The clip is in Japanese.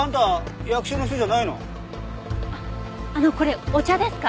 あっあのこれお茶ですか？